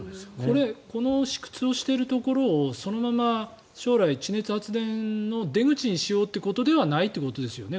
これこの試掘をしているところをそのまま地熱発電の出口にしようということではないということですよね。